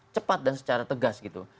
cepat dan secara tegas gitu